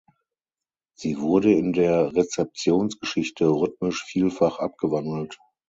Sie wurde in der Rezeptionsgeschichte rhythmisch vielfach abgewandelt.